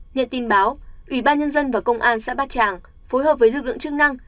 nhận tin báo ủy ban nhân dân và công an sẽ bắt chàng phối hợp với lực lượng chức năng